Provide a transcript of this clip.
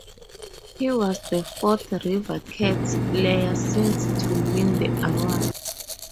He was the fourth River Cats player since to win the award.